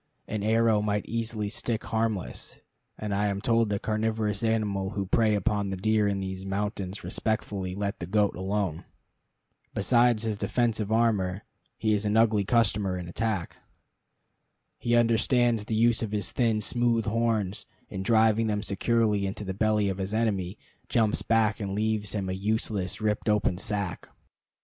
An arrow might easily stick harmless; and I am told that carnivorous animals who prey upon the deer in these mountains respectfully let the goat alone. Besides his defensive armor, he is an ugly customer in attack. He understands the use of his thin, smooth horns, and, driving them securely into the belly of his enemy, jumps back and leaves him a useless, ripped open sack.